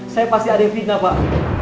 saya pasti ade fitnah pak